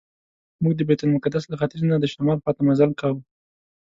موږ د بیت المقدس له ختیځ نه د شمال خواته مزل کاوه.